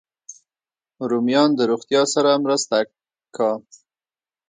رومیان د روغتیا سره مرسته کوي